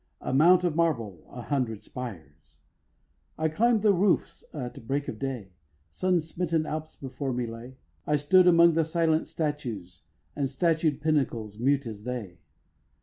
A mount of marble, a hundred spires! I climb'd the roofs at break of day; Sun smitten Alps before me lay. I stood among the silent statues, And statued pinnacles, mute as they.